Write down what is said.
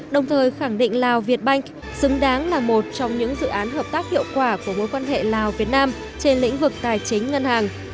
đồng thời khẳng định lào việt banh xứng đáng là một trong những dự án hợp tác hiệu quả của mối quan hệ lào việt nam trên lĩnh vực tài chính ngân hàng